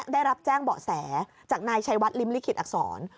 ได้รับแจ้งเบาะแสจากนายชัยวัดริมลิขิตอักษร